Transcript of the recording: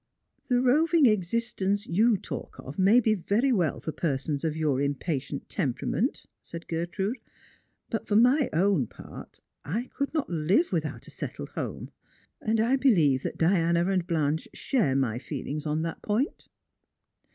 " The roving existence you talk of may be very well for per sons of your impatient temperament," said Gertrude ;" but for . my own part, I could not live without a settled home; and I believe that Diana and Blanche share my feelings on that point."